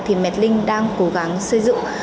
thì maglink đang cố gắng xây dựng